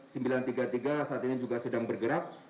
saat ini juga sedang bergerak